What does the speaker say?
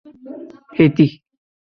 ہیتی